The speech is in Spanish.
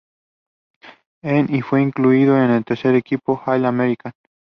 En y fue incluido en el tercer equipo All-American.